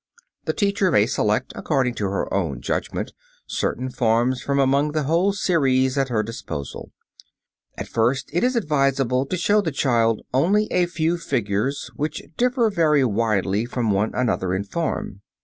The teacher may select according to her own judgment certain forms from among the whole series at her disposal. At first it is advisable to show the child only a few figures which differ very widely from one another in form.